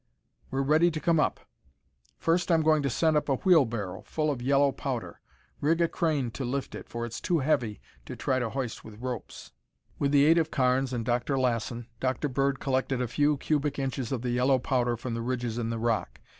"We're ready to come up. First I'm going to send up a wheelbarrow full of yellow powder. Rig a crane to lift it, for it's too heavy to try to hoist with ropes." With the aid of Carnes and Dr. Lassen, Dr. Bird collected a few cubic inches of the yellow powder from the ridges in the rock.